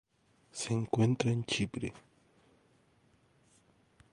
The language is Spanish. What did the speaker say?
Se encuentra en Chipre.